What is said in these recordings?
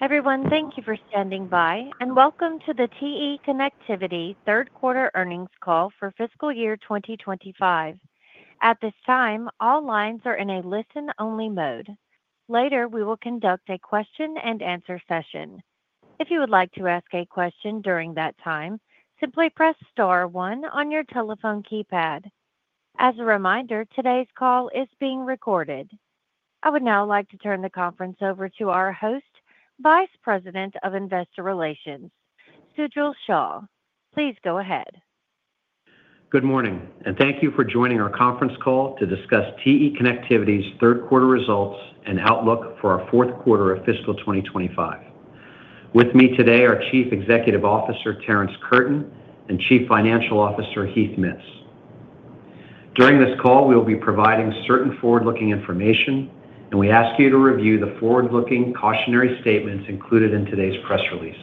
Everyone, thank you for standing by, and welcome to the TE Connectivity Third Quarter Earnings Call for Fiscal Year 2025. At this time, all lines are in a listen-only mode. Later, we will conduct a Q&A session. If you would like to ask a question during that time, simply press star one on your telephone keypad. As a reminder, today's call is being recorded. I would now like to turn the conference over to our host, VP of Investor Relations, Sujal Shah. Please go ahead. Good morning, and thank you for joining our conference call to discuss TE Connectivity's Third Quarter Results and Outlook for our fourth quarter of fiscal 2025. With me today are CEO Terrence Curtin and CFO Heath Mitts. During this call, we will be providing certain forward-looking information, and we ask you to review the forward-looking cautionary statements included in today's press release.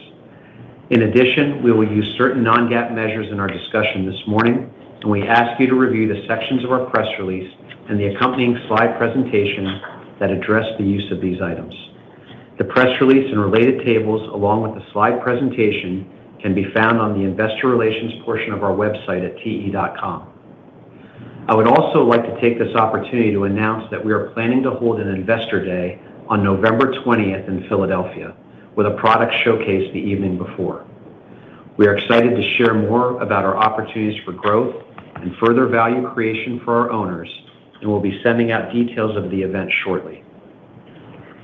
In addition, we will use certain non-GAAP measures in our discussion this morning, and we ask you to review the sections of our press release and the accompanying slide presentation that address the use of these items. The press release and related tables, along with the slide presentation, can be found on the Investor Relations portion of our website at te.com. I would also like to take this opportunity to announce that we are planning to hold an Investor Day on November 20th in Philadelphia with a product showcase the evening before. We are excited to share more about our opportunities for growth and further value creation for our owners, and we'll be sending out details of the event shortly.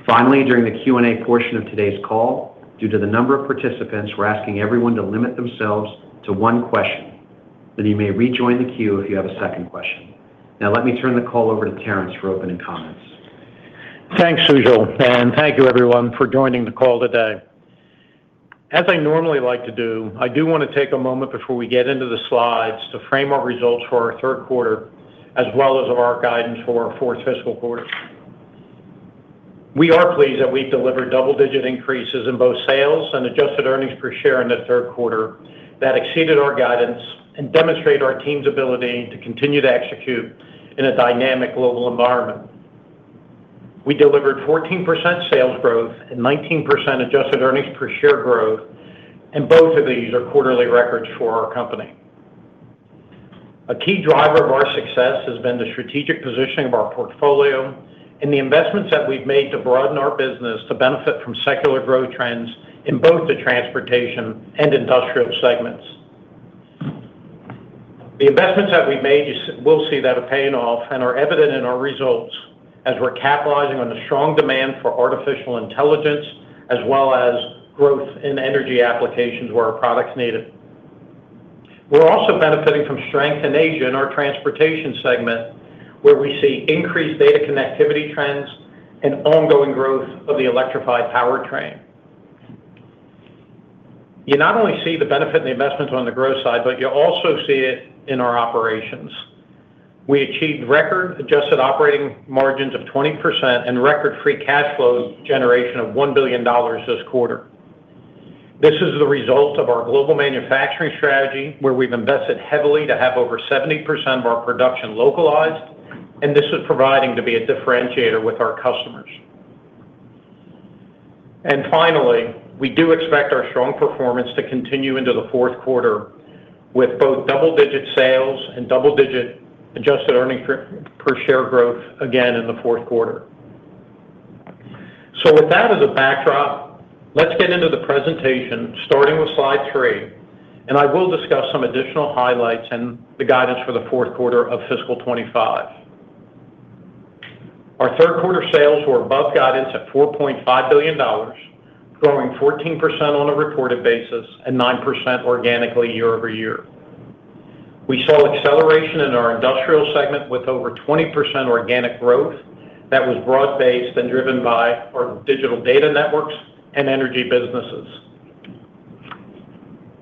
Finally, during the Q&A portion of today's call, due to the number of participants, we're asking everyone to limit themselves to one question, then you may rejoin the queue if you have a second question. Now, let me turn the call over to Terrence for opening comments. Thanks, Sujal, and thank you, everyone, for joining the call today. As I normally like to do, I do want to take a moment before we get into the slides to frame our results for our third quarter, as well as our guidance for our fourth fiscal quarter. We are pleased that we've delivered double-digit increases in both sales and adjusted earnings per share in the third quarter that exceeded our guidance and demonstrate our team's ability to continue to execute in a dynamic global environment. We delivered 14% sales growth and 19% adjusted earnings per share growth, and both of these are quarterly records for our company. A key driver of our success has been the strategic positioning of our portfolio and the investments that we've made to broaden our business to benefit from secular growth trends in both the transportation and industrial segments. The investments that we've made will see that a payoff and are evident in our results as we're capitalizing on the strong demand for artificial intelligence, as well as growth in energy applications where our products need it. We're also benefiting from strength in Asia in our transportation segment, where we see increased data connectivity trends and ongoing growth of the electrified powertrain. You not only see the benefit and the investment on the growth side, but you also see it in our operations. We achieved record adjusted operating margins of 20% and record free cash flow generation of $1 billion this quarter. This is the result of our global manufacturing strategy, where we've invested heavily to have over 70% of our production localized, and this is providing to be a differentiator with our customers. Finally, we do expect our strong performance to continue into the fourth quarter with both double-digit sales and double-digit adjusted earnings per share growth again in the fourth quarter. With that as a backdrop, let's get into the presentation, starting with slide three, and I will discuss some additional highlights and the guidance for the fourth quarter of fiscal 2025. Our third quarter sales were above guidance at $4.5 billion, growing 14% on a reported basis and 9% organically year-over-year. We saw acceleration in our industrial segment with over 20% organic growth that was broad-based and driven by our digital data networks and energy businesses.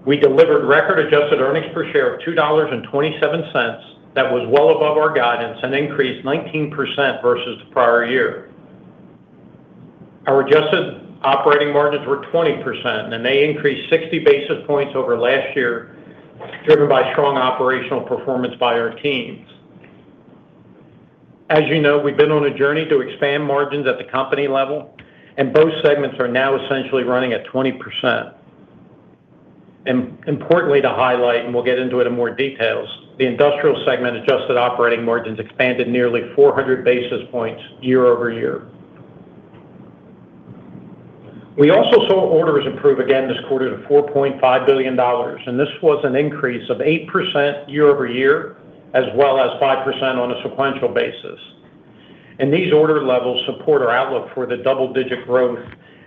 We delivered record adjusted earnings per share of $2.27 that was well above our guidance and increased 19% versus the prior year. Our adjusted operating margins were 20%, and they increased 60 basis points over last year, driven by strong operational performance by our teams. As you know, we've been on a journey to expand margins at the company level, and both segments are now essentially running at 20%. Importantly to highlight, and we'll get into it in more detail, the industrial segment adjusted operating margins expanded nearly 400 basis points year-over-year. We also saw orders improve again this quarter to $4.5 billion, and this was an increase of 8% year-over-year, as well as 5% on a sequential basis. These order levels support our outlook for the double-digit growth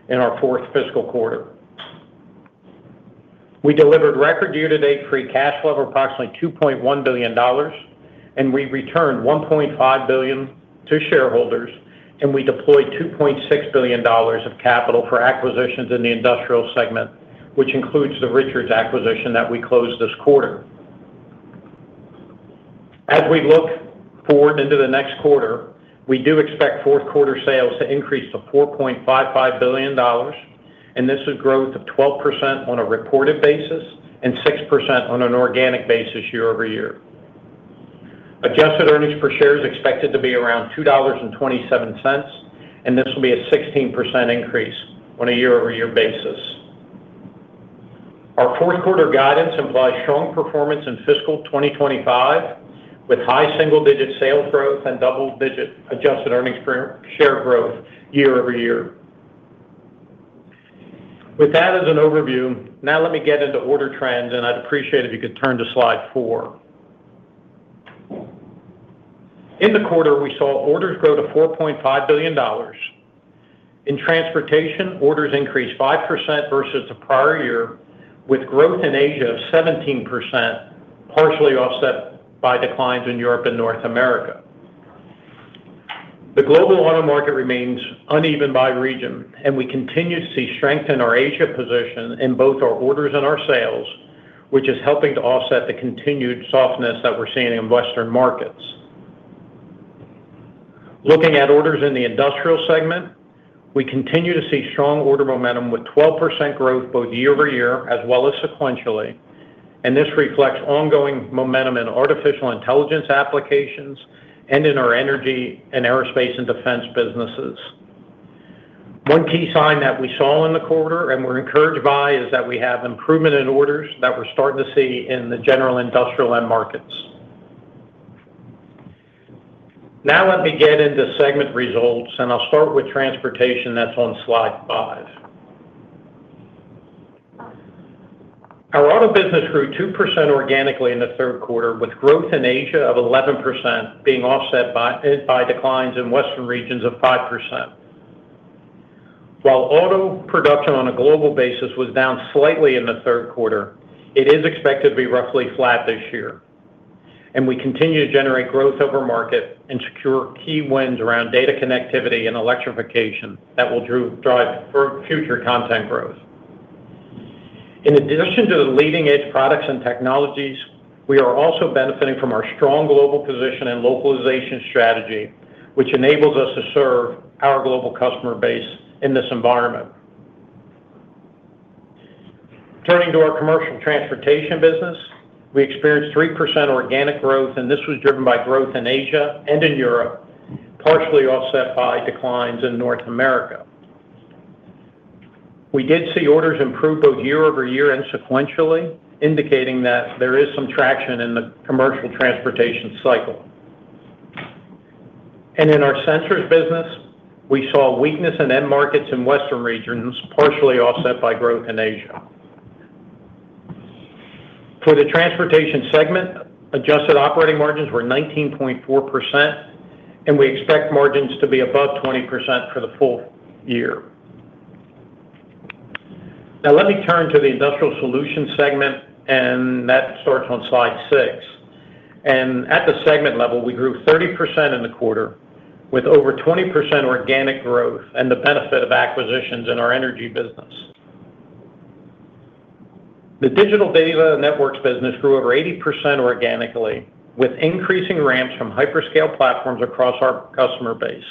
in our fourth fiscal quarter. We delivered record year-to-date free cash flow of approximately $2.1 billion. We returned $1.5 billion to shareholders, and we deployed $2.6 billion of capital for acquisitions in the industrial segment, which includes the Richards acquisition that we closed this quarter. As we look forward into the next quarter, we do expect fourth quarter sales to increase to $4.55 billion. This is growth of 12% on a reported basis and 6% on an organic basis year-over-year. Adjusted earnings per share is expected to be around $2.27, and this will be a 16% increase on a year-over-year basis. Our fourth quarter guidance implies strong performance in fiscal 2025, with high single-digit sales growth and double-digit adjusted earnings per share growth year-over-year. With that as an overview, now let me get into order trends, and I'd appreciate it if you could turn to slide four. In the quarter, we saw orders grow to $4.5 billion. In transportation, orders increased 5% versus the prior year, with growth in Asia of 17%, partially offset by declines in Europe and North America. The global auto market remains uneven by region, and we continue to see strength in our Asia position in both our orders and our sales, which is helping to offset the continued softness that we're seeing in Western markets. Looking at orders in the industrial segment, we continue to see strong order momentum with 12% growth both year-over-year as well as sequentially, and this reflects ongoing momentum in artificial intelligence applications and in our energy and aerospace and defense businesses. One key sign that we saw in the quarter, and we're encouraged by, is that we have improvement in orders that we're starting to see in the general industrial end markets. Now let me get into segment results, and I'll start with transportation that's on slide five. Our auto business grew 2% organically in the third quarter, with growth in Asia of 11% being offset by declines in Western regions of 5%. While auto production on a global basis was down slightly in the third quarter, it is expected to be roughly flat this year. We continue to generate growth over market and secure key wins around data connectivity and electrification that will drive future content growth. In addition to the leading-edge products and technologies, we are also benefiting from our strong global position and localization strategy, which enables us to serve our global customer base in this environment. Turning to our commercial transportation business, we experienced 3% organic growth, and this was driven by growth in Asia and in Europe, partially offset by declines in North America. We did see orders improve both year-over-year and sequentially, indicating that there is some traction in the commercial transportation cycle. In our sensors business, we saw weakness in end markets in Western regions, partially offset by growth in Asia. For the transportation segment, adjusted operating margins were 19.4%. We expect margins to be above 20% for the full year. Now let me turn to the industrial solutions segment, and that starts on slide six. At the segment level, we grew 30% in the quarter with over 20% organic growth and the benefit of acquisitions in our energy business. The digital data networks business grew over 80% organically with increasing ramps from hyperscale platforms across our customer base.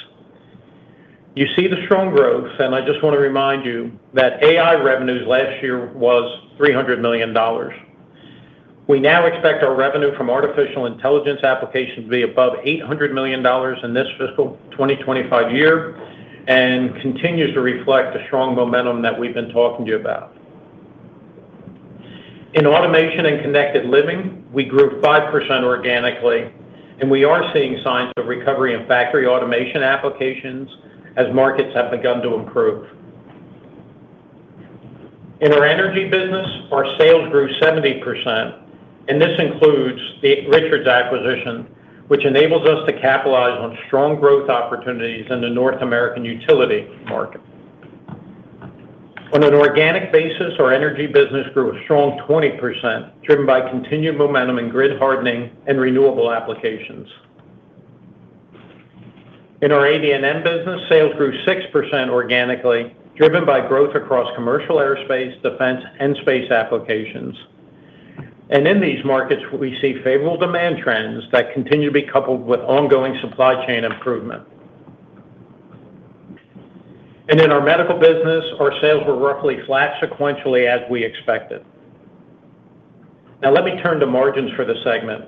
You see the strong growth, and I just want to remind you that AI revenues last year was $300 million. We now expect our revenue from artificial intelligence applications to be above $800 million in this fiscal 2025 year and continues to reflect the strong momentum that we've been talking to you about. In automation and connected living, we grew 5% organically, and we are seeing signs of recovery in factory automation applications as markets have begun to improve. In our energy business, our sales grew 70%, and this includes Richards acquisition, which enables us to capitalize on strong growth opportunities in the North American utility market. On an organic basis, our energy business grew a strong 20%, driven by continued momentum in grid hardening and renewable applications. In our AD&M business, sales grew 6% organically, driven by growth across commercial aerospace, defense, and space applications. In these markets, we see favorable demand trends that continue to be coupled with ongoing supply chain improvement. In our medical business, our sales were roughly flat sequentially as we expected. Now let me turn to margins for the segment.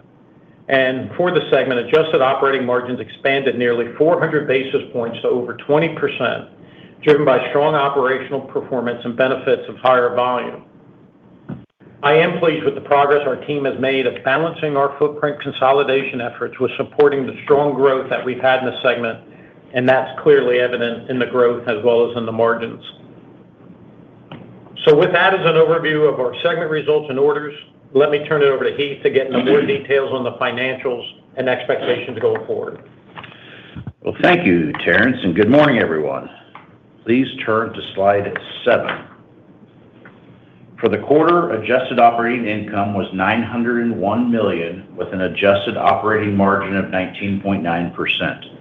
For the segment, adjusted operating margins expanded nearly 400 basis points to over 20%, driven by strong operational performance and benefits of higher volume. I am pleased with the progress our team has made of balancing our footprint consolidation efforts with supporting the strong growth that we've had in the segment, and that's clearly evident in the growth as well as in the margins. With that as an overview of our segment results and orders, let me turn it over to Heath to get into more details on the financials and expectations going forward. Thank you, Terrence, and good morning, everyone. Please turn to slide seven. For the quarter, adjusted operating income was $901 million with an adjusted operating margin of 19.9%.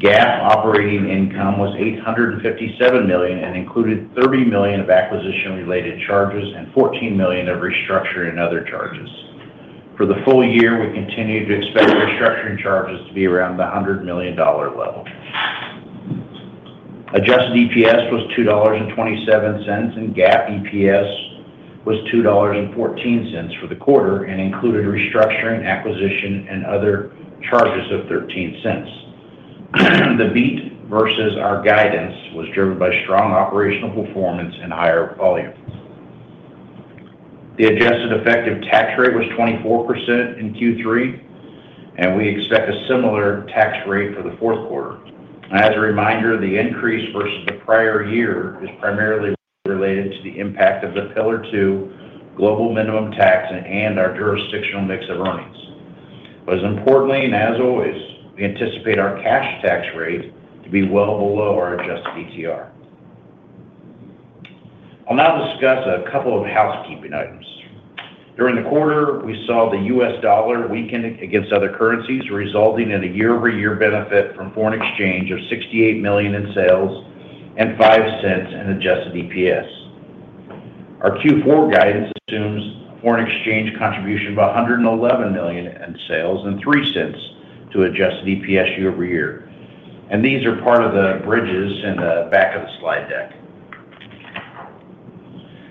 GAAP operating income was $857 million and included $30 million of acquisition-related charges and $14 million of restructuring and other charges. For the full year, we continue to expect restructuring charges to be around the $100 million level. Adjusted EPS was $2.27, and GAAP EPS was $2.14 for the quarter and included restructuring, acquisition, and other charges of $0.13. The beat versus our guidance was driven by strong operational performance and higher volume. The adjusted effective tax rate was 24% in Q3. We expect a similar tax rate for the fourth quarter. As a reminder, the increase versus the prior year is primarily related to the impact of the Pillar 2 global minimum tax and our jurisdictional mix of earnings. Importantly, and as always, we anticipate our cash tax rate to be well below our adjusted ETR. I'll now discuss a couple of housekeeping items. During the quarter, we saw the U.S. dollar weaken against other currencies, resulting in a year-over-year benefit from foreign exchange of $68 million in sales and $0.05 in adjusted EPS. Our Q4 guidance assumes foreign exchange contribution of $111 million in sales and $0.03 to adjusted EPS year-over-year. These are part of the bridges in the back of the slide deck.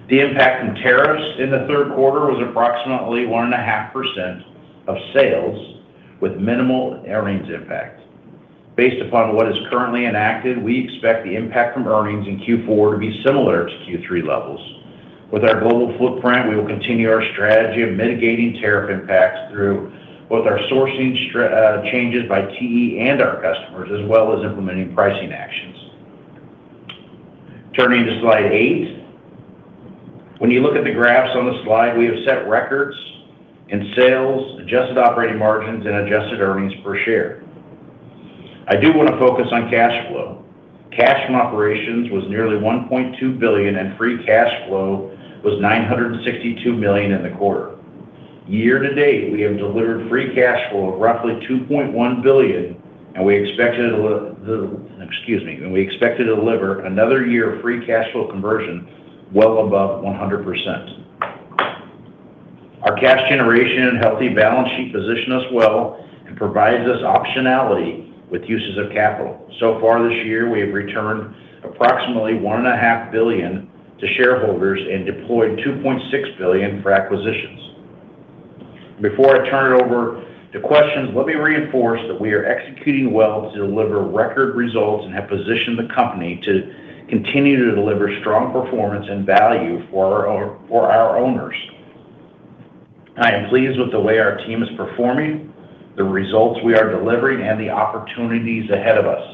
The impact from tariffs in the third quarter was approximately 1.5% of sales with minimal earnings impact. Based upon what is currently enacted, we expect the impact from earnings in Q4 to be similar to Q3 levels. With our global footprint, we will continue our strategy of mitigating tariff impacts through both our sourcing changes by TE and our customers, as well as implementing pricing actions. Turning to slide eight. When you look at the graphs on the slide, we have set records in sales, adjusted operating margins, and adjusted earnings per share. I do want to focus on cash flow. Cash from operations was nearly $1.2 billion, and free cash flow was $962 million in the quarter. Year-to-date, we have delivered free cash flow of roughly $2.1 billion, and we expect to deliver another year of free cash flow conversion well above 100%. Our cash generation and healthy balance sheet position us well and provides us optionality with uses of capital. So far this year, we have returned approximately $1.5 billion to shareholders and deployed $2.6 billion for acquisitions. Before I turn it over to questions, let me reinforce that we are executing well to deliver record results and have positioned the company to continue to deliver strong performance and value for our owners. I am pleased with the way our team is performing, the results we are delivering, and the opportunities ahead of us.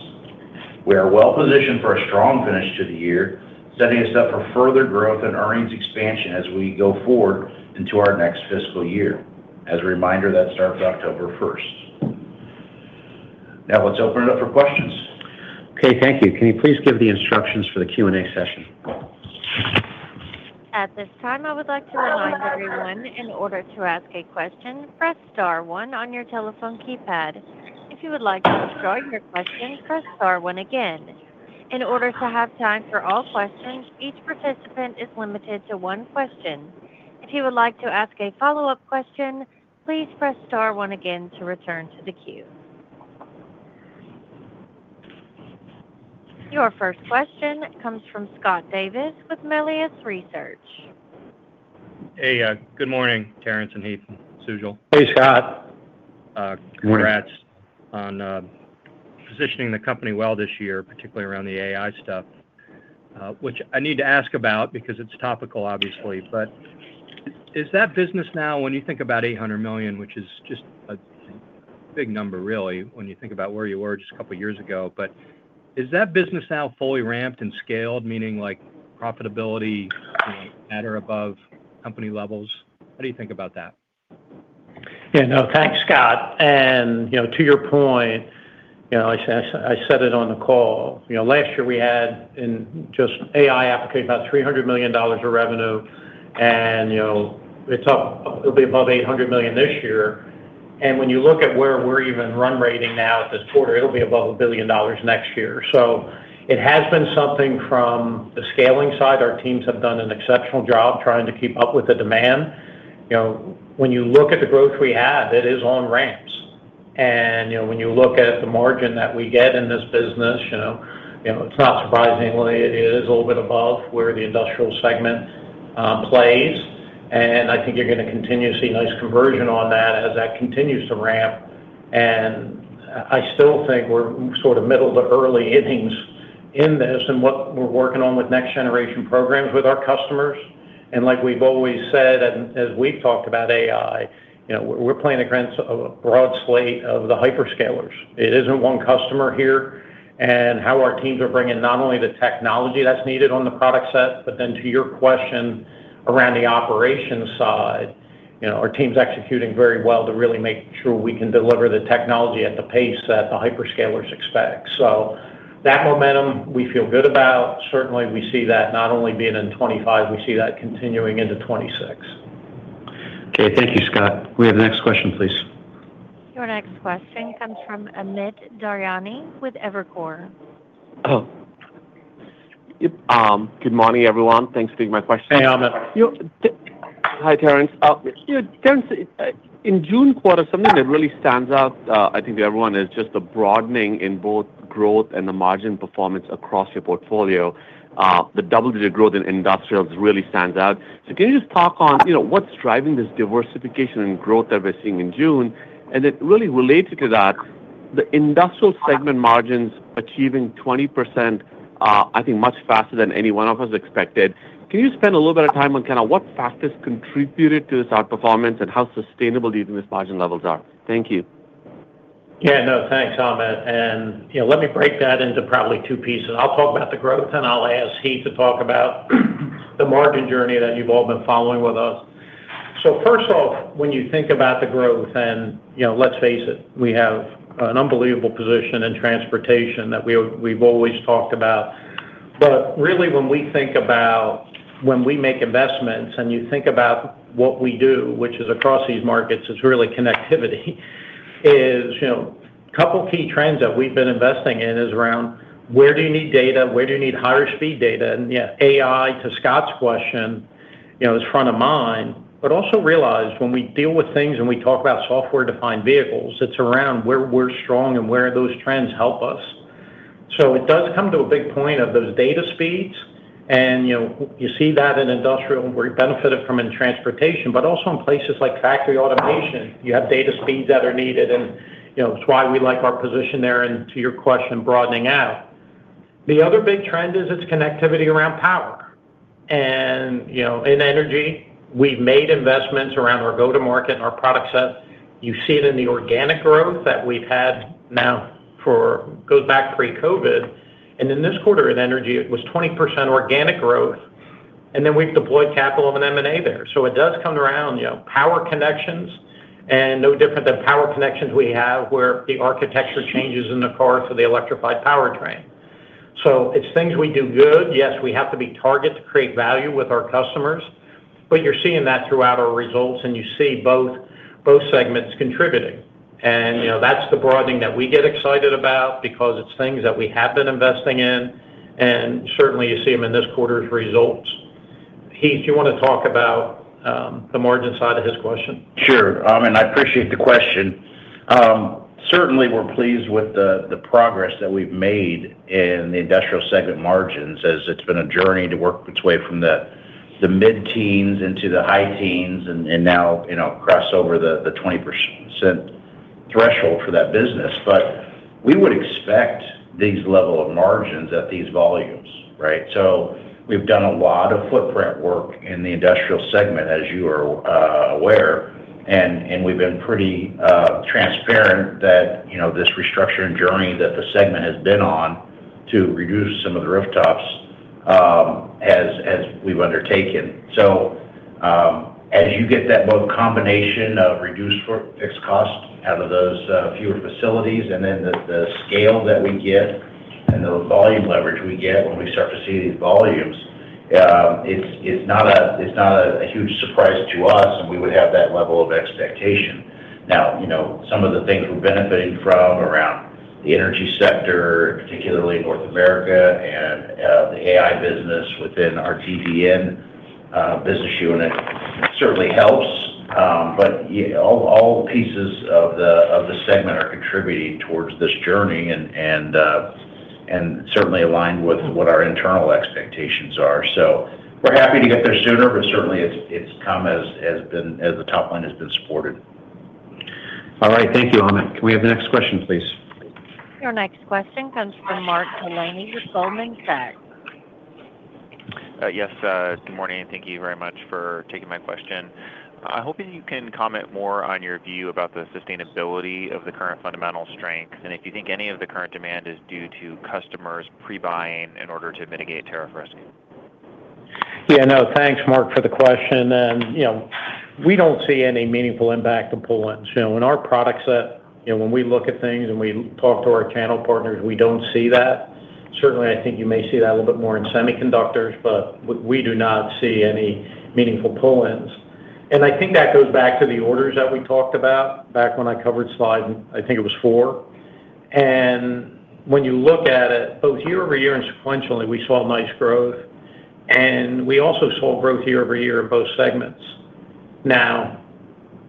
We are well positioned for a strong finish to the year, setting us up for further growth and earnings expansion as we go forward into our next fiscal year. As a reminder, that starts October 1. Now let's open it up for questions. Okay, thank you. Can you please give the instructions for the Q&A session? At this time, I would like to remind everyone, in order to ask a question, press star one on your telephone keypad. If you would like to withdraw your question, press star one again. In order to have time for all questions, each participant is limited to one question. If you would like to ask a follow-up question, please press star one again to return to the queue. Your first question comes from Scott Davis with Melius Research. Hey, good morning, Terrence and Heath and Sujal. Hey, Scott. Good morning. Congrats on positioning the company well this year, particularly around the AI stuff, which I need to ask about because it's topical, obviously. Is that business now, when you think about $800 million, which is just a big number, really, when you think about where you were just a couple of years ago, is that business now fully ramped and scaled, meaning profitability at or above company levels? What do you think about that? Yeah, no, thanks, Scott. To your point, I said it on the call. Last year, we had in just AI applications about $300 million of revenue, and it'll be above $800 million this year. When you look at where we're even run rating now at this quarter, it'll be above $1 billion next year. It has been something from the scaling side. Our teams have done an exceptional job trying to keep up with the demand. When you look at the growth we have, it is on ramps. When you look at the margin that we get in this business, it's not surprisingly a little bit above where the industrial segment plays. I think you're going to continue to see nice conversion on that as that continues to ramp. I still think we're sort of middle to early innings in this and what we're working on with next-generation programs with our customers. Like we've always said, as we've talked about AI, we're playing against a broad slate of the hyperscalers. It isn't one customer here. How our teams are bringing not only the technology that's needed on the product set, but then to your question around the operations side, our team's executing very well to really make sure we can deliver the technology at the pace that the hyperscalers expect. That momentum, we feel good about. Certainly, we see that not only being in 2025, we see that continuing into 2026. Okay, thank you, Scott. We have the next question, please. Your next question comes from Amit Daryanani with Evercore. Good morning, everyone. Thanks for taking my question. Hey, Amit. Hi, Terrence. Terrence, in June quarter, something that really stands out, I think to everyone, is just the broadening in both growth and the margin performance across your portfolio. The double-digit growth in industrials really stands out. Can you just talk on what's driving this diversification and growth that we're seeing in June? Really related to that, the industrial segment margins achieving 20%, I think, much faster than any one of us expected. Can you spend a little bit of time on kind of what factors contributed to this outperformance and how sustainable these margin levels are? Thank you. Yeah, no, thanks, Amit. Let me break that into probably two pieces. I'll talk about the growth, and I'll ask Heath to talk about the margin journey that you've all been following with us. First off, when you think about the growth, we have an unbelievable position in transportation that we've always talked about. Really, when we think about when we make investments and you think about what we do, which is across these markets, it's really connectivity. A couple of key trends that we've been investing in is around where do you need data, where do you need higher-speed data. Yeah, AI, to Scott's question, is front of mind. Also realize when we deal with things and we talk about software-defined vehicles, it's around where we're strong and where those trends help us. It does come to a big point of those data speeds. You see that in industrial where you benefited from in transportation, but also in places like factory automation, you have data speeds that are needed. It's why we like our position there, and to your question, broadening out. The other big trend is it's connectivity around power. In energy, we've made investments around our go-to-market and our product set. You see it in the organic growth that we've had now for goes back pre-COVID. In this quarter, in energy, it was 20% organic growth. Then we've deployed capital of an M&A there. It does come around power connections and no different than power connections we have where the architecture changes in the car for the electrified powertrain. It's things we do good. Yes, we have to be targeted to create value with our customers. You're seeing that throughout our results, and you see both segments contributing. That's the broadening that we get excited about because it's things that we have been investing in. Certainly, you see them in this quarter's results. Heath, do you want to talk about the margin side of his question? Sure. I appreciate the question. Certainly, we're pleased with the progress that we've made in the industrial segment margins as it's been a journey to work its way from the mid-teens into the high-teens and now cross over the 20% threshold for that business. We would expect these levels of margins at these volumes, right? We've done a lot of footprint work in the industrial segment, as you are aware. We've been pretty transparent that this restructuring journey that the segment has been on to reduce some of the rooftops has been something we've undertaken. As you get that combination of reduced fixed cost out of those fewer facilities and then the scale that we get and the volume leverage we get when we start to see these volumes, it's not a huge surprise to us, and we would have that level of expectation. Some of the things we're benefiting from around the energy sector, particularly North America and the AI business within our TPN business unit, certainly helps. All pieces of the segment are contributing towards this journey and are certainly aligned with what our internal expectations are. We're happy to get there sooner, but it's come as the top line has been supported. All right, thank you, Amit. Can we have the next question, please? Your next question comes from Mark Delaney with Goldman Sachs. Yes, good morning. Thank you very much for taking my question. I hope you can comment more on your view about the sustainability of the current fundamental strength and if you think any of the current demand is due to customers pre-buying in order to mitigate tariff risk. Yeah, no, thanks, Mark, for the question. We do not see any meaningful impact in Poland. In our product set, when we look at things and we talk to our channel partners, we do not see that. Certainly, I think you may see that a little bit more in semiconductors, but we do not see any meaningful Poland. I think that goes back to the orders that we talked about back when I covered slide, I think it was four. When you look at it, both year-over-year and sequentially, we saw nice growth. We also saw growth year-over-year in both segments.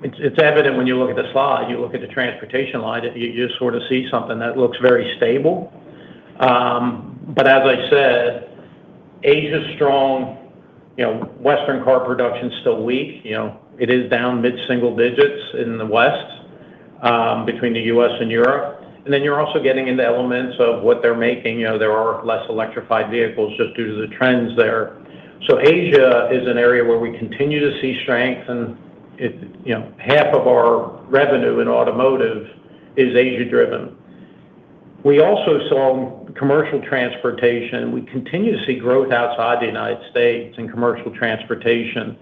Now, it is evident when you look at the slide, you look at the transportation line, you just sort of see something that looks very stable. As I said, Asia is strong. Western car production is still weak. It is down mid-single digits in the West, between the US and Europe. Then you are also getting into elements of what they are making. There are less electrified vehicles just due to the trends there. Asia is an area where we continue to see strength. Half of our revenue in automotive is Asia-driven. We also saw commercial transportation. We continue to see growth outside the United States in commercial transportation.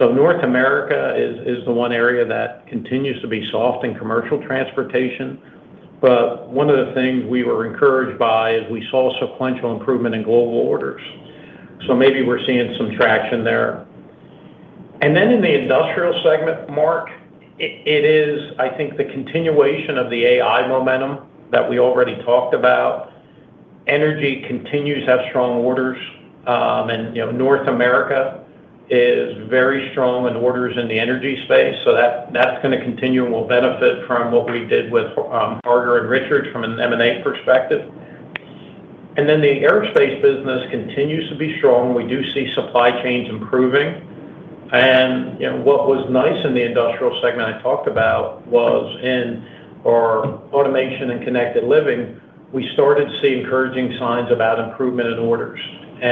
North America is the one area that continues to be soft in commercial transportation. One of the things we were encouraged by is we saw sequential improvement in global orders. Maybe we are seeing some traction there. In the industrial segment, Mark, it is, I think, the continuation of the AI momentum that we already talked about. Energy continues to have strong orders. North America is very strong in orders in the energy space. That is going to continue and will benefit from what we did with Harger and Richards from an M&A perspective. The aerospace business continues to be strong. We do see supply chains improving. What was nice in the industrial segment I talked about was in our automation and connected living, we started to see encouraging signs about improvement in orders. We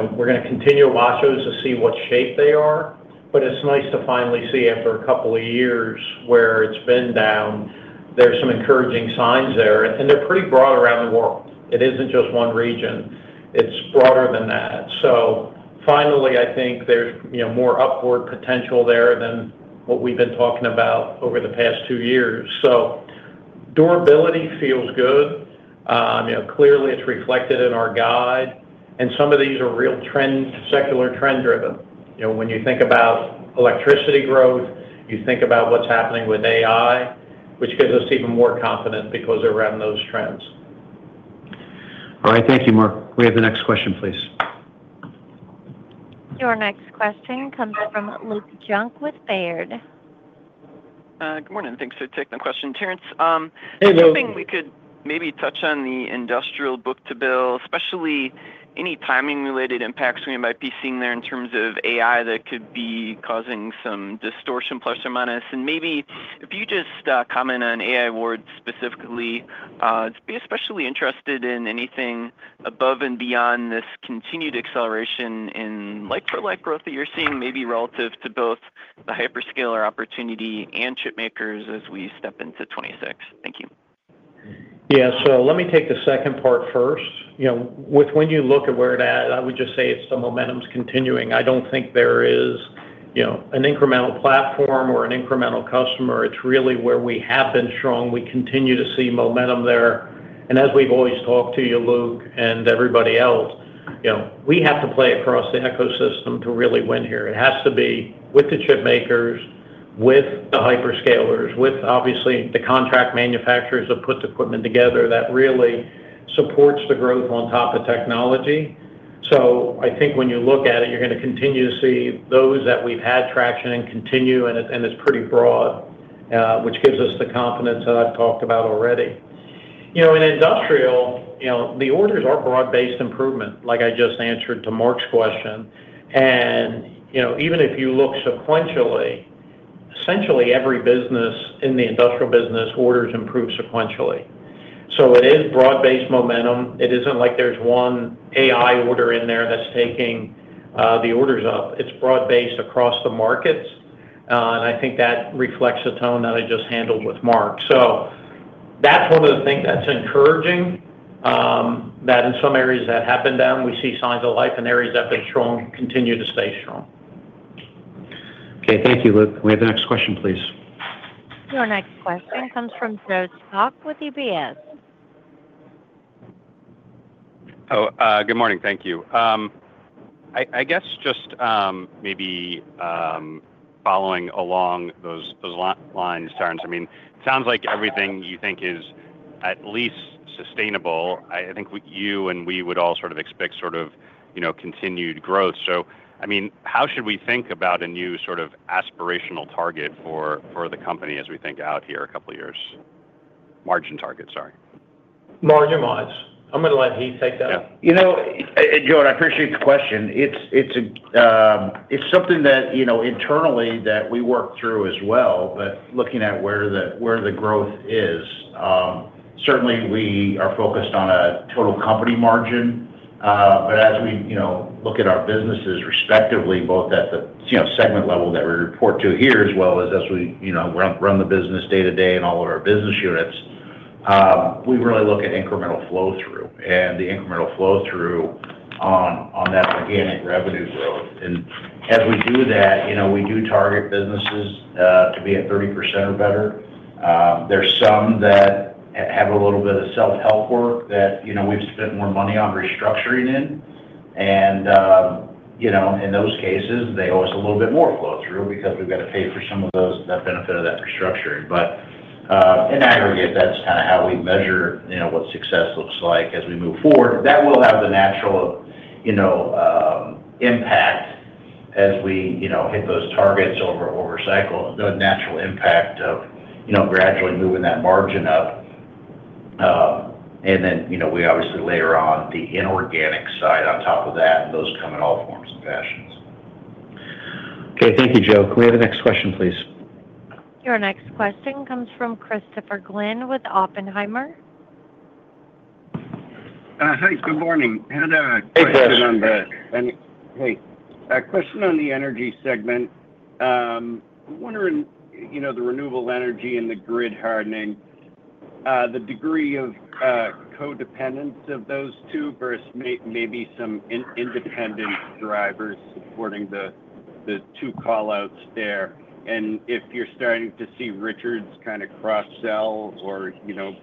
are going to continue to watch those to see what shape they are. It is nice to finally see after a couple of years where it has been down, there are some encouraging signs there. They are pretty broad around the world. It is not just one region. It is broader than that. Finally, I think there is more upward potential there than what we have been talking about over the past two years. Durability feels good. Clearly, it is reflected in our guide. Some of these are real secular trend-driven. When you think about electricity growth, you think about what is happening with AI, which gives us even more confidence because we are on those trends. All right, thank you, Mark. We have the next question, please. Your next question comes from Luke Junk with Baird. Good morning. Thanks for taking the question, Terrence. Hey, Luke. I'm hoping we could maybe touch on the industrial book-to-bill, especially any timing-related impacts we might be seeing there in terms of AI that could be causing some distortion, plus or minus. If you just comment on AI awards specifically, I'd be especially interested in anything above and beyond this continued acceleration in like-for-like growth that you're seeing, maybe relative to both the hyperscaler opportunity and chipmakers as we step into 2026. Thank you. Yeah, so let me take the second part first. When you look at where it is at, I would just say the momentum's continuing. I do not think there is an incremental platform or an incremental customer. It is really where we have been strong. We continue to see momentum there. As we have always talked to you, Luke, and everybody else, we have to play across the ecosystem to really win here. It has to be with the chipmakers, with the hyperscalers, with obviously the contract manufacturers that put the equipment together that really supports the growth on top of technology. I think when you look at it, you are going to continue to see those that we have had traction and continue, and it is pretty broad, which gives us the confidence that I have talked about already. In industrial, the orders are broad-based improvement, like I just answered to Mark's question. Even if you look sequentially, essentially every business in the industrial business orders improve sequentially. It is broad-based momentum. It is not like there is one AI order in there that is taking the orders up. It is broad-based across the markets. I think that reflects the tone that I just handled with Mark. That is one of the things that is encouraging. In some areas that have been down, we see signs of life, and areas that have been strong continue to stay strong. Okay, thank you, Luke. We have the next question, please. Your next question comes from Joe Troszok with UBS. Oh, good morning. Thank you. I guess just maybe. Following along those lines, Terrence, I mean, it sounds like everything you think is at least sustainable. I think you and we would all sort of expect sort of continued growth. I mean, how should we think about a new sort of aspirational target for the company as we think out here a couple of years? Margin target, sorry. Margin-wise. I'm going to let Heath take that. Joe, I appreciate the question. It is something that internally that we work through as well, but looking at where the growth is. Certainly, we are focused on a total company margin. As we look at our businesses respectively, both at the segment level that we report to here as well as as we run the business day-to-day in all of our business units. We really look at incremental flow-through and the incremental flow-through on that organic revenue growth. As we do that, we do target businesses to be at 30% or better. There are some that have a little bit of self-help work that we have spent more money on restructuring in. In those cases, they owe us a little bit more flow-through because we have got to pay for some of those that benefit of that restructuring. In aggregate, that is kind of how we measure what success looks like as we move forward. That will have the natural impact as we hit those targets over cycle, the natural impact of gradually moving that margin up. We obviously layer on the inorganic side on top of that and those come in all forms and fashions. Okay, thank you, Joe. Can we have the next question, please? Your next question comes from Christopher Glynn with Oppenheimer. Hi, good morning. I had a question on the. Hey, Joe. Hey. A question on the energy segment. I'm wondering the renewable energy and the grid hardening. The degree of codependence of those two versus maybe some independent drivers supporting the two callouts there. And if you're starting to see Richards kind of cross-sell or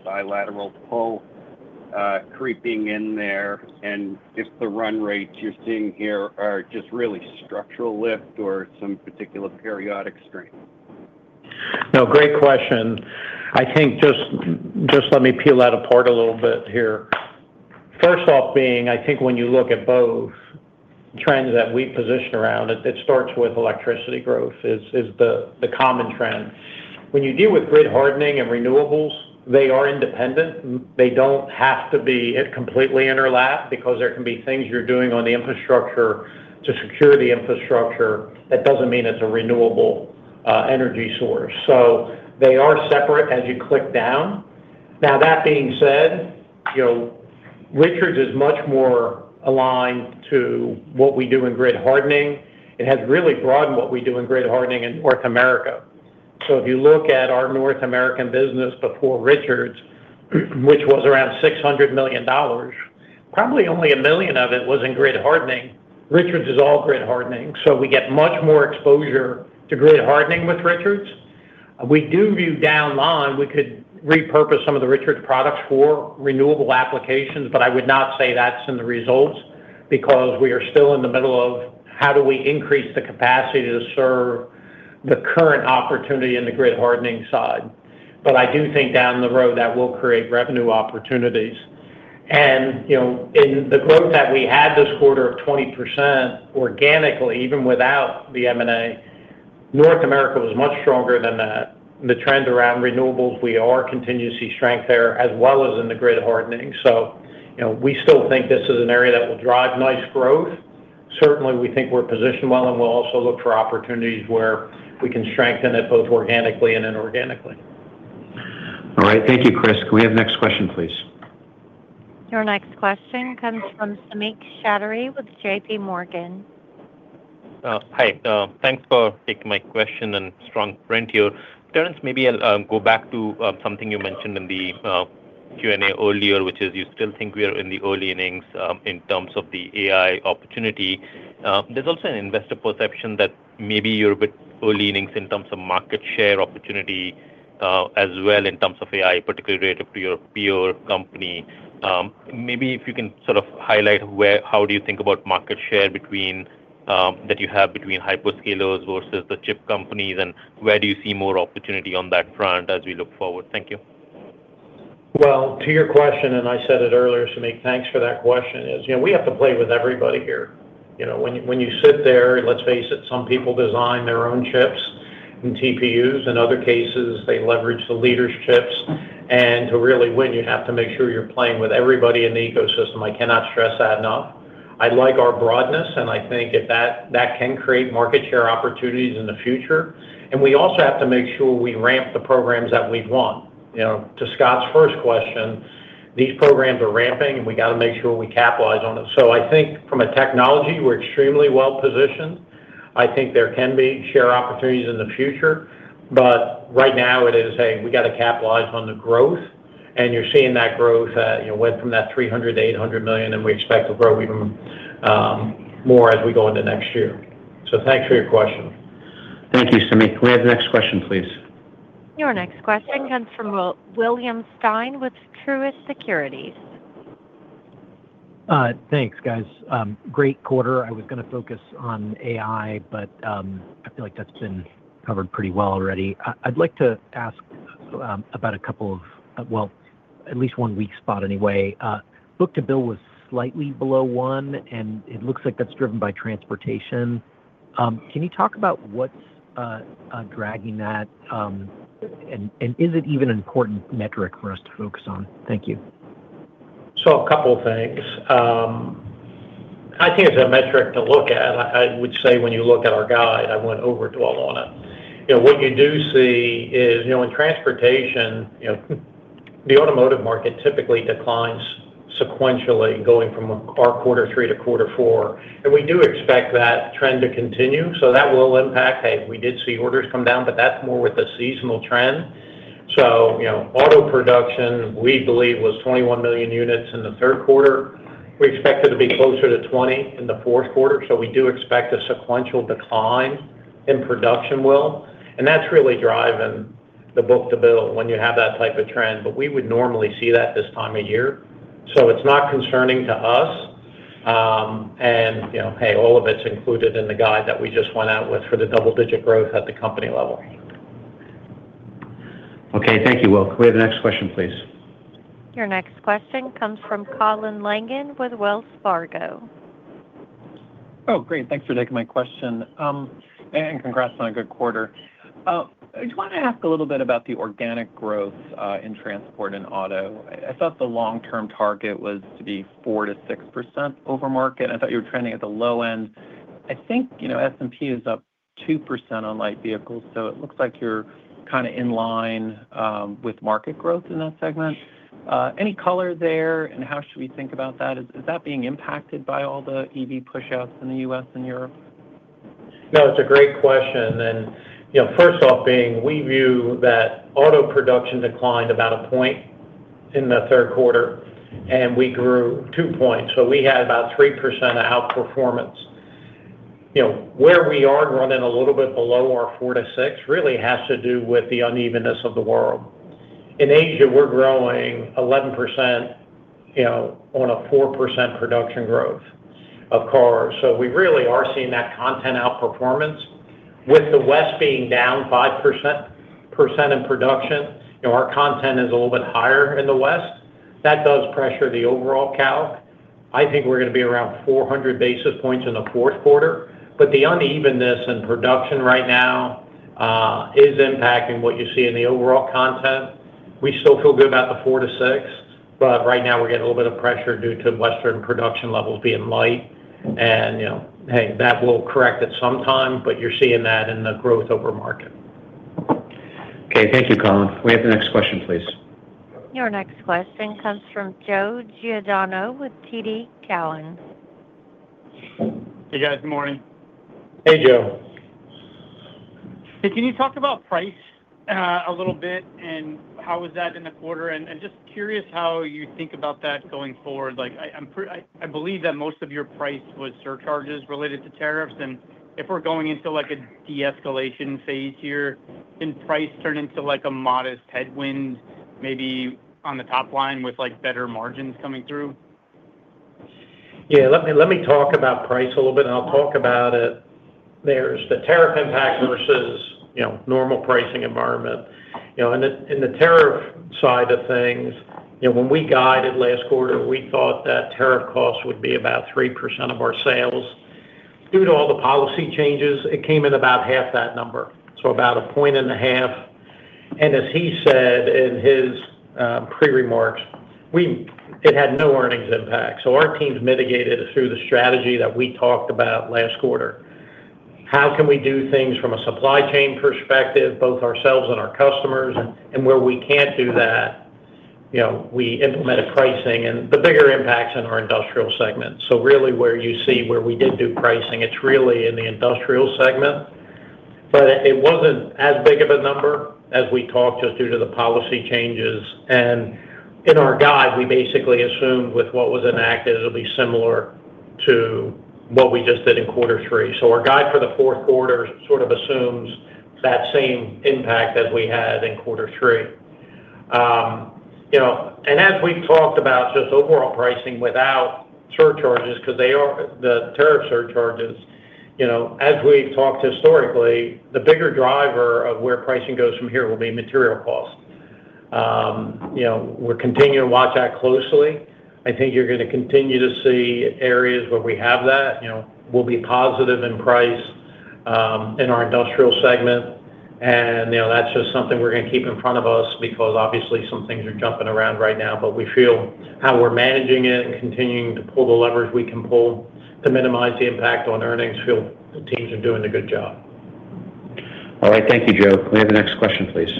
bilateral pull creeping in there, and if the run rates you're seeing here are just really structural lift or some particular periodic strength. No, great question. I think just. Let me peel that apart a little bit here. First off being, I think when you look at both. Trends that we position around, it starts with electricity growth is the common trend. When you deal with grid hardening and renewables, they are independent. They do not have to be completely [interlocked] because there can be things you are doing on the infrastructure to secure the infrastructure. That does not mean it is a renewable energy source. They are separate as you click down. Now, that being said. Richards is much more aligned to what we do in grid hardening. It has really broadened what we do in grid hardening in North America. If you look at our North American business before Richards, which was around $600 million, probably only $1 million of it was in grid hardening. Richards is all grid hardening. We get much more exposure to grid hardening with Richards. We do view downline we could repurpose some of the Richards products for renewable applications, but I would not say that is in the results because we are still in the middle of how do we increase the capacity to serve the current opportunity in the grid hardening side. I do think down the road that will create revenue opportunities. In the growth that we had this quarter of 20% organically, even without the M&A, North America was much stronger than that. The trend around renewables, we are continuing to see strength there as well as in the grid hardening. We still think this is an area that will drive nice growth. Certainly, we think we are positioned well, and we will also look for opportunities where we can strengthen it both organically and inorganically. All right, thank you, Chris. Can we have the next question, please? Your next question comes from Samik Chatterjee with JP Morgan. Hi. Thanks for taking my question and strong print here. Terrence, maybe I'll go back to something you mentioned in the Q&A earlier, which is you still think we are in the early innings in terms of the AI opportunity. There's also an investor perception that maybe you're a bit early innings in terms of market share opportunity as well in terms of AI, particularly related to your peer company. Maybe if you can sort of highlight how do you think about market share that you have between hyperscalers versus the chip companies, and where do you see more opportunity on that front as we look forward? Thank you. To your question, and I said it earlier, Samik, thanks for that question, is we have to play with everybody here. When you sit there, let's face it, some people design their own chips and TPUs. In other cases, they leverage the leaderships. To really win, you have to make sure you're playing with everybody in the ecosystem. I cannot stress that enough. I like our broadness, and I think that can create market share opportunities in the future. We also have to make sure we ramp the programs that we want. To Scott's first question, these programs are ramping, and we got to make sure we capitalize on it. I think from a technology, we're extremely well positioned. I think there can be share opportunities in the future. Right now, it is, hey, we got to capitalize on the growth. You're seeing that growth went from that $300 million to $800 million, and we expect to grow even more as we go into next year. Thanks for your question. Thank you, Samik. Can we have the next question, please? Your next question comes from William Stein with Truist Securities. Thanks, guys. Great quarter. I was going to focus on AI, but I feel like that's been covered pretty well already. I'd like to ask about a couple of, well, at least one weak spot anyway. Book-to-bill was slightly below one, and it looks like that's driven by transportation. Can you talk about what's dragging that? And is it even an important metric for us to focus on? Thank you. A couple of things. I think it's a metric to look at. I would say when you look at our guide, I went over it all on it. What you do see is in transportation. The automotive market typically declines sequentially going from our quarter three to quarter four. We do expect that trend to continue. That will impact, hey, we did see orders come down, but that's more with a seasonal trend. Auto production, we believe, was 21 million units in the third quarter. We expect it to be closer to 20 in the fourth quarter. We do expect a sequential decline in production. That's really driving the book-to-bill when you have that type of trend. We would normally see that this time of year. It's not concerning to us. All of it's included in the guide that we just went out with for the double-digit growth at the company level. Okay, thank you, Will. Can we have the next question, please? Your next question comes from Colin Langan with Wells Fargo. Oh, great. Thanks for taking my question. And congrats on a good quarter. I just want to ask a little bit about the organic growth in transport and auto. I thought the long-term target was to be 4%-6% over market. I thought you were trending at the low end. I think S&P is up 2% on light vehicles. So it looks like you're kind of in line with market growth in that segment. Any color there? And how should we think about that? Is that being impacted by all the EV push-outs in the U.S. and Europe? No, it's a great question. First off, we view that auto production declined about a point in the third quarter, and we grew two points. We had about 3% outperformance. Where we are running a little bit below our four to six really has to do with the unevenness of the world. In Asia, we're growing 11% on a 4% production growth of cars. We really are seeing that content outperformance. With the West being down 5% in production, our content is a little bit higher in the West. That does pressure the overall calc. I think we're going to be around 400 basis points in the fourth quarter. The unevenness in production right now is impacting what you see in the overall content. We still feel good about the four to six, but right now we're getting a little bit of pressure due to Western production levels being light. Hey, that will correct at some time, but you're seeing that in the growth over market. Okay, thank you, Colin. Can we have the next question, please? Your next question comes from Joe Giordano with TD Cowen. Hey, guys. Good morning. Hey, Joe. Hey, can you talk about price a little bit and how was that in the quarter? I am just curious how you think about that going forward. I believe that most of your price was surcharges related to tariffs. If we are going into a de-escalation phase here, can price turn into a modest headwind maybe on the top line with better margins coming through? Yeah, let me talk about price a little bit. I'll talk about it. There's the tariff impact versus normal pricing environment. In the tariff side of things, when we guided last quarter, we thought that tariff cost would be about 3% of our sales. Due to all the policy changes, it came in about half that number, so about a point and a half. And as he said in his pre-remarks, it had no earnings impact. So our teams mitigated it through the strategy that we talked about last quarter. How can we do things from a supply chain perspective, both ourselves and our customers? And where we can't do that, we implemented pricing and the bigger impacts in our industrial segment. So really where you see where we did do pricing, it's really in the industrial segment. But it wasn't as big of a number as we talked just due to the policy changes. In our guide, we basically assumed with what was enacted, it'll be similar to what we just did in quarter three. So our guide for the fourth quarter sort of assumes that same impact as we had in quarter three. As we've talked about just overall pricing without surcharges, because the tariff surcharges, as we've talked historically, the bigger driver of where pricing goes from here will be material costs. We're continuing to watch that closely. I think you're going to continue to see areas where we have that. We'll be positive in price in our industrial segment. That's just something we're going to keep in front of us because obviously some things are jumping around right now. We feel how we're managing it and continuing to pull the levers we can pull to minimize the impact on earnings, feel the teams are doing a good job. All right, thank you, Joe. Can we have the next question, please?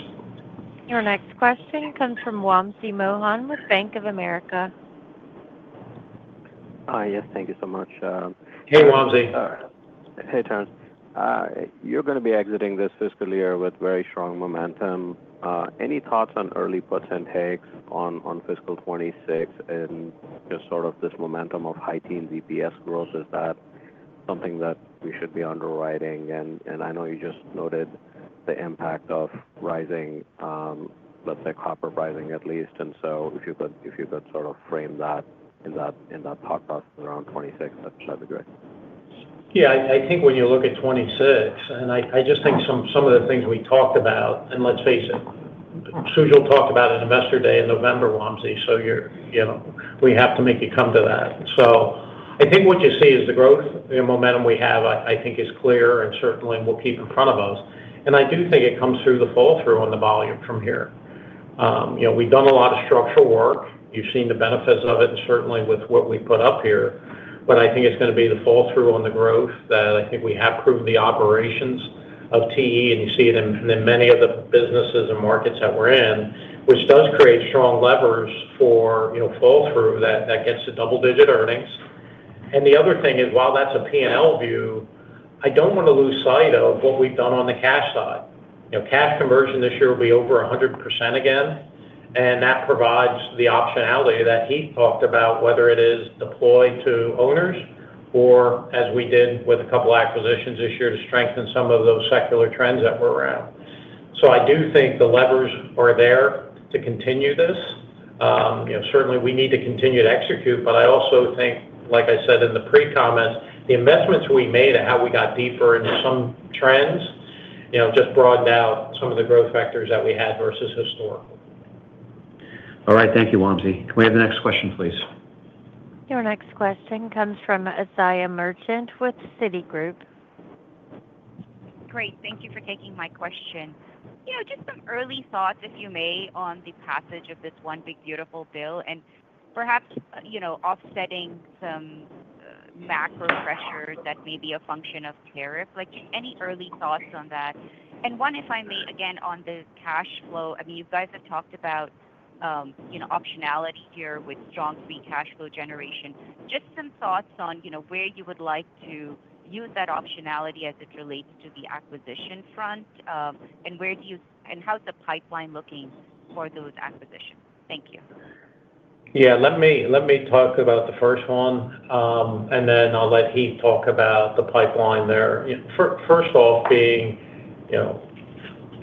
Your next question comes from Wamsi Mohan with Bank of America. Hi, yes, thank you so much. Hey, Wamsi. Hey, Terrence. You're going to be exiting this fiscal year with very strong momentum. Any thoughts on early puts and takes on fiscal 2026 and just sort of this momentum of high-teens EPS growth? Is that something that we should be underwriting? I know you just noted the impact of rising, let's say, copper pricing at least. If you could sort of frame that in that thought process around 2026, that'd be great. Yeah, I think when you look at 2026, and I just think some of the things we talked about, and let's face it. Sujal talked about an investor day in November, Wamsi, so we have to make it come to that. I think what you see is the growth, the momentum we have, I think is clear and certainly will keep in front of us. I do think it comes through the fall-through on the volume from here. We've done a lot of structural work. You've seen the benefits of it and certainly with what we put up here. I think it's going to be the fall-through on the growth that I think we have proven the operations of TE, and you see it in many of the businesses and markets that we're in, which does create strong levers for fall-through that gets to double-digit earnings. The other thing is, while that's a P&L view, I don't want to lose sight of what we've done on the cash side. Cash conversion this year will be over 100% again. That provides the optionality that Heath talked about, whether it is deployed to owners or as we did with a couple of acquisitions this year to strengthen some of those secular trends that we're around. I do think the levers are there to continue this. Certainly, we need to continue to execute, but I also think, like I said in the pre-comments, the investments we made and how we got deeper into some trends just broadened out some of the growth factors that we had versus historical. All right, thank you, Wamsi. Can we have the next question, please? Your next question comes from Asiya Merchant with Citigroup. Great. Thank you for taking my question. Yeah, just some early thoughts, if you may, on the passage of this one big, beautiful bill and perhaps offsetting some macro pressure that may be a function of tariff. Just any early thoughts on that? One, if I may, again, on the cash flow, I mean, you guys have talked about optionality here with strong free cash flow generation. Just some thoughts on where you would like to use that optionality as it relates to the acquisition front. Where do you and how's the pipeline looking for those acquisitions? Thank you. Yeah, let me talk about the first one. Then I'll let Heath talk about the pipeline there. First off being,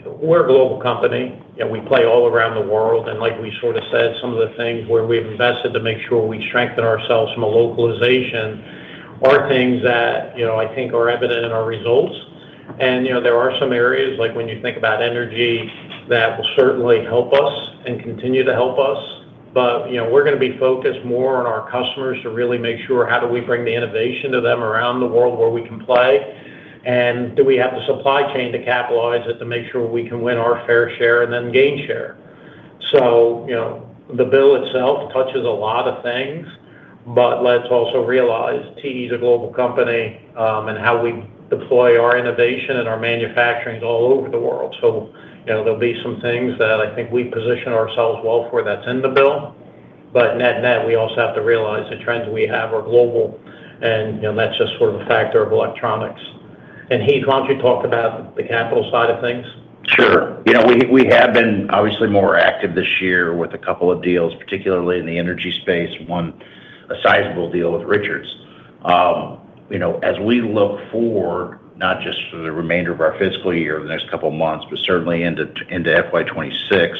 we're a global company. We play all around the world. Like we sort of said, some of the things where we've invested to make sure we strengthen ourselves from a localization are things that I think are evident in our results. There are some areas, like when you think about energy, that will certainly help us and continue to help us. We're going to be focused more on our customers to really make sure how do we bring the innovation to them around the world where we can play. Do we have the supply chain to capitalize it to make sure we can win our fair share and then gain share? The bill itself touches a lot of things, but let's also realize TE is a global company and how we deploy our innovation and our manufacturing all over the world. There'll be some things that I think we position ourselves well for that's in the bill. Net net, we also have to realize the trends we have are global, and that's just sort of a factor of electronics. Heath, why don't you talk about the capital side of things? Sure. Yeah, we have been obviously more active this year with a couple of deals, particularly in the energy space, one a sizable deal with Richards. As we look forward, not just for the remainder of our fiscal year in the next couple of months, but certainly into FY 2026,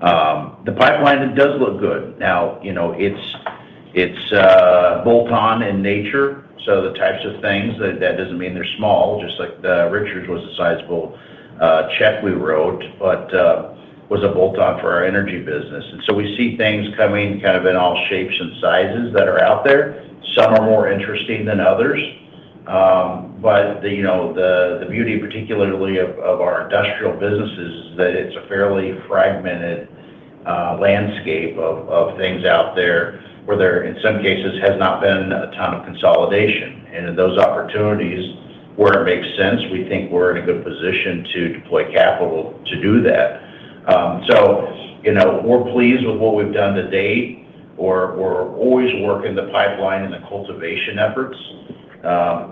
the pipeline does look good. Now, it's bolt-on in nature. So the types of things, that doesn't mean they're small, just like Richards was a sizable check we wrote, but was a bolt-on for our energy business. We see things coming kind of in all shapes and sizes that are out there. Some are more interesting than others. The beauty, particularly of our industrial businesses, is that it's a fairly fragmented landscape of things out there where there, in some cases, has not been a ton of consolidation. In those opportunities where it makes sense, we think we're in a good position to deploy capital to do that. We're pleased with what we've done to date. We're always working the pipeline and the cultivation efforts.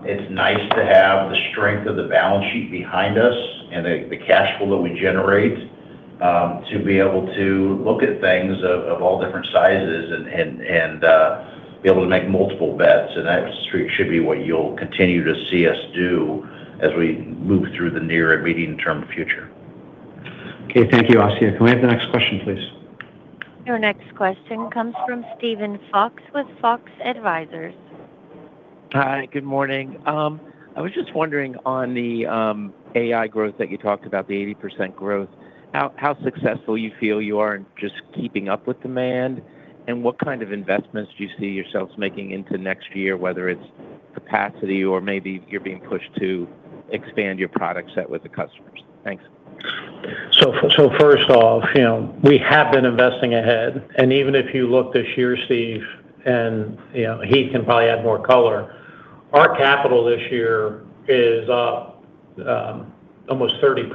It's nice to have the strength of the balance sheet behind us and the cash flow that we generate to be able to look at things of all different sizes and be able to make multiple bets. That should be what you'll continue to see us do as we move through the near and medium-term future. Okay, thank you, Asiya. Can we have the next question, please? Your next question comes from Steven Fox with Fox Advisors. Hi, good morning. I was just wondering on the AI growth that you talked about, the 80% growth, how successful you feel you are in just keeping up with demand and what kind of investments do you see yourselves making into next year, whether it's capacity or maybe you're being pushed to expand your product set with the customers. Thanks. First off, we have been investing ahead. Even if you look this year, Steve, and Heath can probably add more color, our capital this year is almost 30%,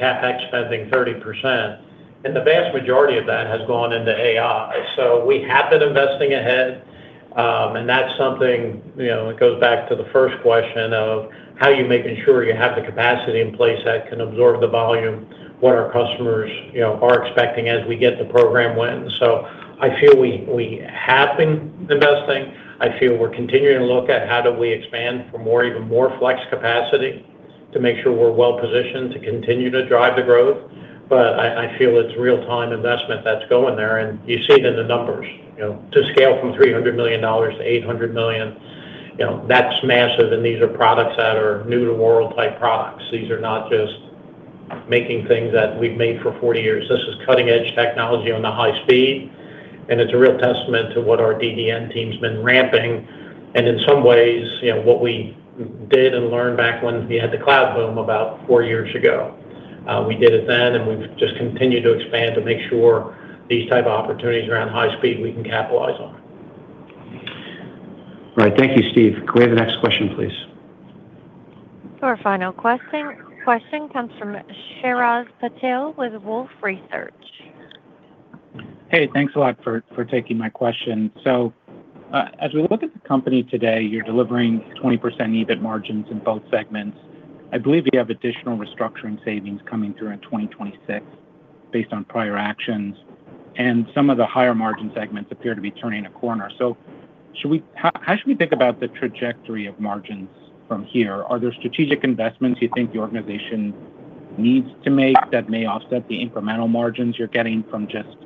CapEx spending 30%. The vast majority of that has gone into AI. We have been investing ahead, and that goes back to the first question of how are you making sure you have the capacity in place that can absorb the volume, what our customers are expecting as we get the program went. I feel we have been investing. I feel we're continuing to look at how do we expand for even more flex capacity to make sure we're well positioned to continue to drive the growth. I feel it's real-time investment that's going there, and you see it in the numbers. To scale from $300 million to $800 million, that's massive. These are products that are new-to-world-type products. These are not just making things that we've made for 40 years. This is cutting-edge technology on the high speed, and it's a real testament to what our DDN team's been ramping. In some ways, what we did and learned back when we had the cloud boom about four years ago, we did it then, and we've just continued to expand to make sure these type of opportunities around high speed we can capitalize on. All right, thank you, Steve. Can we have the next question, please? Our final question comes from Shiraz Patel with Wolfe Research. Hey, thanks a lot for taking my question. As we look at the company today, you're delivering 20% EBIT margins in both segments. I believe you have additional restructuring savings coming through in 2026 based on prior actions. Some of the higher margin segments appear to be turning a corner. How should we think about the trajectory of margins from here? Are there strategic investments you think the organization needs to make that may offset the incremental margins you're getting from just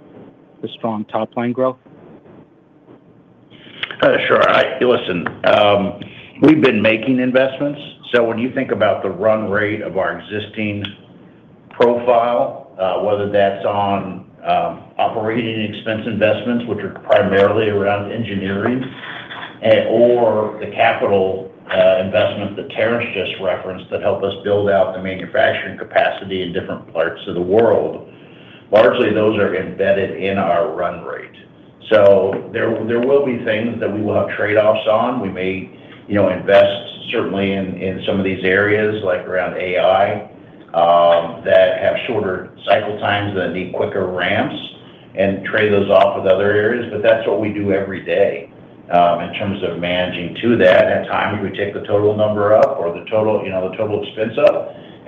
the strong top-line growth? Sure. Listen. We've been making investments. When you think about the run rate of our existing profile, whether that's on operating expense investments, which are primarily around engineering, or the capital investments that Terrence just referenced that help us build out the manufacturing capacity in different parts of the world, largely, those are embedded in our run rate. There will be things that we will have trade-offs on. We may invest certainly in some of these areas, like around AI, that have shorter cycle times that need quicker ramps and trade those off with other areas. That is what we do every day. In terms of managing to that, at times we take the total number up or the total expense up.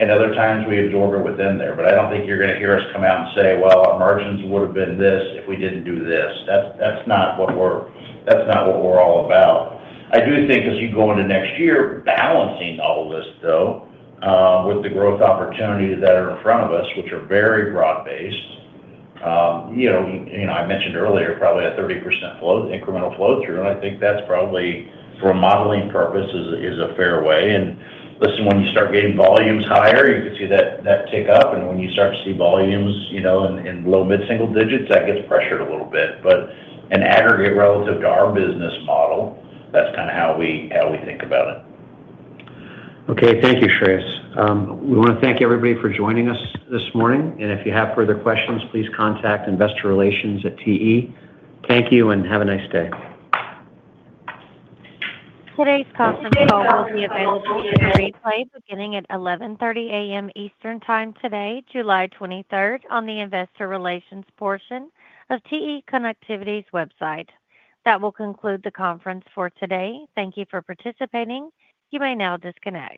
Other times we absorb it within there. I do not think you are going to hear us come out and say, "Well, our margins would have been this if we did not do this." That is not what we are all about. I do think, as you go into next year, balancing all of this, though, with the growth opportunities that are in front of us, which are very broad-based. I mentioned earlier, probably a 30% incremental flow through. I think that is probably, for a modeling purpose, a fair way. Listen, when you start getting volumes higher, you can see that tick up. When you start to see volumes in low, mid-single digits, that gets pressured a little bit. In aggregate relative to our business model, that is kind of how we think about it. Okay, thank you, Shiraz. We want to thank everybody for joining us this morning. If you have further questions, please contact investorrelations@te. Thank you and have a nice day. Today's conference call will be available to you very late, beginning at 11:30 A.M. Eastern Time today, July 23rd, on the investor relations portion of TE Connectivity's website. That will conclude the conference for today. Thank you for participating. You may now disconnect.